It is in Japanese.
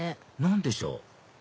何でしょう？